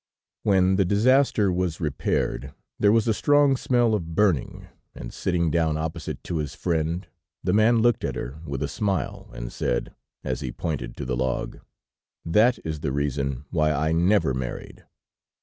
When the disaster was repaired, there was a strong smell of burning, and sitting down opposite to his friend, the man looked at her with a smile, and said, as he pointed to the log: "That is the reason why I never married."